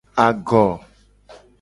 Ago.